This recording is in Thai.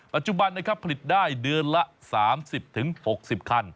ปัจจุบันผลิตได้เดือนละ๓๐๖๐คัน